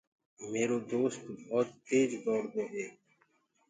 ميرو دوست ڀوت تيج دوڙ دو هي۔